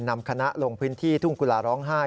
นำคณะลงพื้นที่ทุ่งกุลาร้องไห้